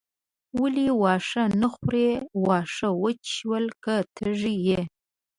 ولې واښه نه خورې واښه وچ شول که تږې یې.